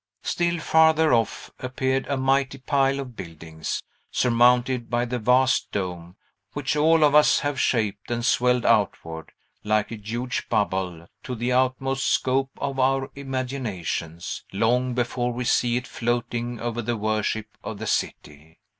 Still farther off appeared a mighty pile of buildings, surmounted by the vast dome, which all of us have shaped and swelled outward, like a huge bubble, to the utmost Scope of our imaginations, long before we see it floating over the worship of the city.